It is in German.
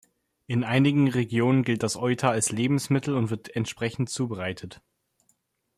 In einigen Regionen gilt das Euter als Lebensmittel und wird entsprechend zubereitet.